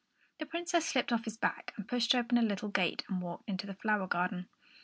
The Princess slipped off his back and pushed open the little gate and walked into the flower garden.